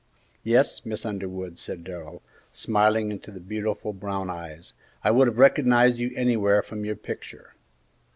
"Yes, Miss Underwood," said Darrell, smiling into the beautiful brown eyes, "I would have recognized you anywhere from your picture."